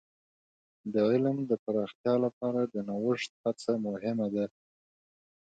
د علم د پراختیا لپاره د نوښت هڅه مهمه ده.